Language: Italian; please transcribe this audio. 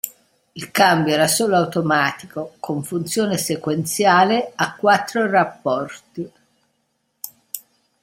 Il cambio era solo automatico con funzione sequenziale a quattro rapporti.